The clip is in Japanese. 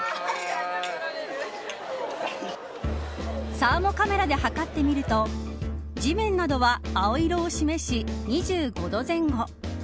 サーモカメラで計ってみると地面などは青色を示し２５度前後。